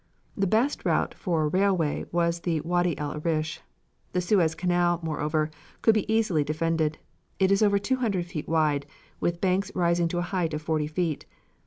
The best route for railway was the Wady El Arish. The Suez Canal, moreover, can be easily defended. It is over two hundred feet wide, with banks rising to a height of forty feet.